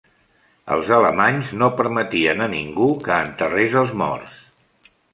Els alemanys no permetien a ningú que enterrés els morts.